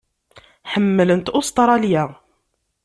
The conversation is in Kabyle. Ḥemmlent Ustṛalya.